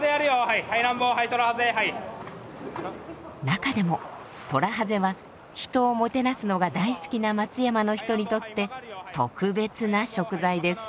中でもトラハゼは人をもてなすのが大好きな松山の人にとって特別な食材です。